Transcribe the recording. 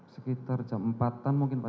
sekitar jam empat an mungkin pak